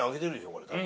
これ多分。